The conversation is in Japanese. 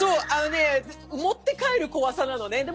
持って帰る怖さなのね。